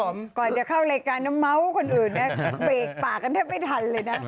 ก่อนจะเข้ารายการน้ำเมาส์คนอื่นนะเบรกปากกันแทบไม่ทันเลยนะ